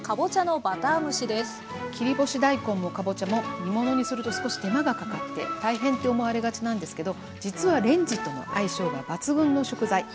切り干し大根もかぼちゃも煮物にすると少し手間がかかって大変って思われがちなんですけど実はレンジとの相性が抜群の食材。